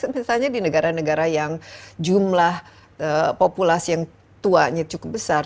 misalnya di negara negara yang jumlah populasi yang tuanya cukup besar